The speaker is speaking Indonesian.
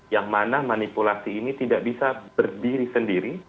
yang mana manipulasi ini tidak bisa berdiri sendiri